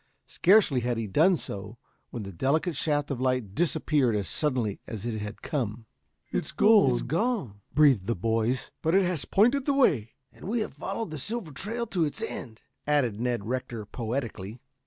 Scarcely had he done so when the delicate shaft of light disappeared as suddenly as it had come. "It's gone," breathed the boys. "But it has pointed the way." "And we have followed the silver trail to its end," added Ned Rector poetically.